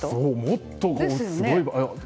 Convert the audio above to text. もっとすごいかと。